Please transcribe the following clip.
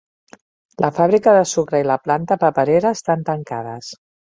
La fàbrica de sucre i la planta paperera estan tancades.